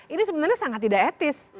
ini sebenarnya sangat tidak etis